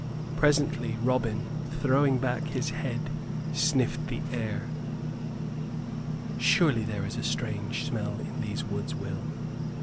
Presently Robin, throwing back his head, sniffed the air. "Surely there is a strange smell in these woods, Will?